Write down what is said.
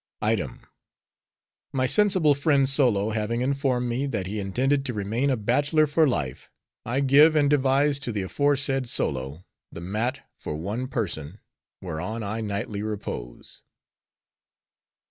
"'Item. My sensible friend Solo having informed me, that he intended to remain a bachelor for life; I give and devise to the aforesaid Solo, the mat for one person, whereon I nightly repose.